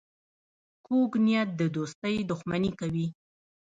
کوږ نیت د دوستۍ دښمني کوي